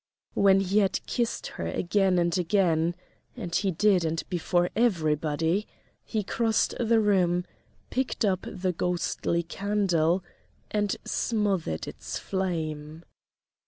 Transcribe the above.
When he had kissed her again and again and he did and before everybody he crossed the room, picked up the ghostly candle, and smothered its flame.